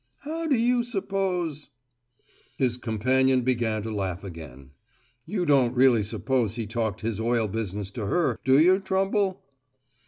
How do you suppose " His companion began to laugh again. "You don't really suppose he talked his oil business to her, do you, Trumble?"